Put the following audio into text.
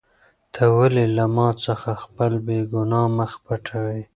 ته ولې له ما څخه خپل بېګناه مخ پټوې؟